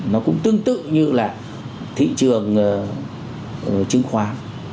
nó cũng tương tự như là thị trường chứng khoán